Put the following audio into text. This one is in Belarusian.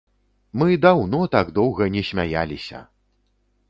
Мы даўно так доўга не смяяліся!